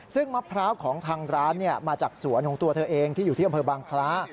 ซึ่งมะพร้าวของทางร้านมาจากสวนของตัวเธอเองที่อยู่ที่อำเภอบางคล้า